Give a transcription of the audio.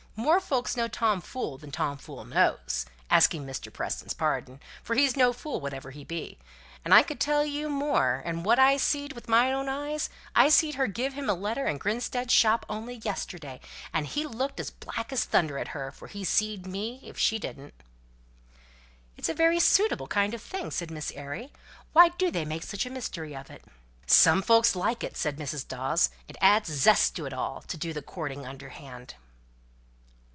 'More folks know Tom Fool, than Tom Fool knows,' asking Mr. Preston's pardon; for he's no fool whatever he be. And I could tell you more, and what I've seed with my own eyes. I seed her give him a letter in Grinstead's shop, only yesterday, and he looked as black as thunder at her, for he seed me if she didn't." "It's a very suitable kind of thing," said Miss Airy; "why do they make such a mystery of it?" "Some folks like it," said Mrs. Dawes; "it adds zest to it all, to do their courting underhand."